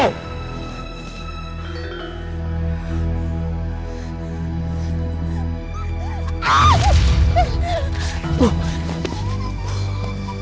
pertahankan raja langit